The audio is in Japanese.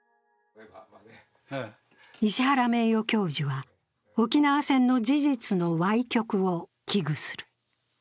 石原名誉教授は、沖縄戦の事実のわい曲を危惧する。